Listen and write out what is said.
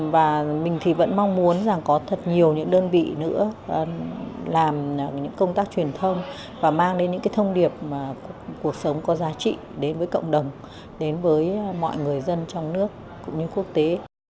và mình thì vẫn mong muốn rằng có thật nhiều những đơn vị nữa làm những công tác truyền thông và mang đến những thông điệp cuộc sống có giá trị đến với cộng đồng đến với mọi người dân trong nước cũng như quốc tế